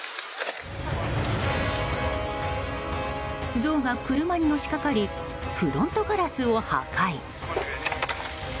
ゾウが車にのしかかりフロントガラスを破壊。